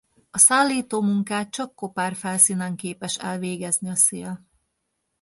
A szállító munkát csak kopár felszínen képes elvégezni a szél.